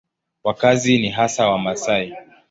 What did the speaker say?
Wakazi ni hasa Wamasai.